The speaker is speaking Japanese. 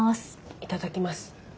いただきます。